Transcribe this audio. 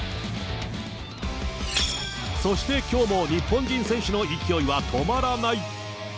そしてきょうも日本人選手の勢いは止まらない。